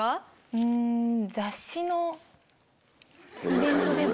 うん雑誌のイベントでは。